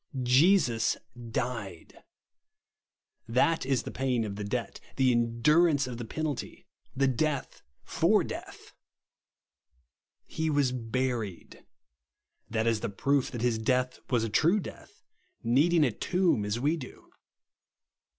Jesus 76 THE rSRSON AND WORK DIED ! That is the paying of the debt, the endurance of the penalty ; the death foi death ! He was buried. That is the proof that his death was a true death, needing a tomb as we do.